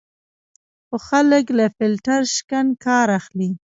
خو خلک له فیلټر شکن کار اخلي.